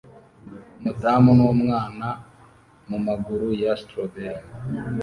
umudamu numwana mumaguru ya strawberry